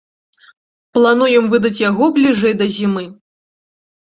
Плануем выдаць яго бліжэй да зімы.